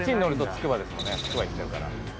つくば行っちゃうから。